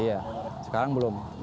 iya sekarang belum